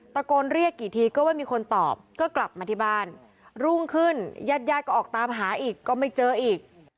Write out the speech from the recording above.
ตะโกนเรียกกี่ทีก็ไม่มีคนตอบก็กลับมาที่บ้านรุ่งขึ้นญาติญาติก็ออกตามหาอีกก็ไม่เจออีก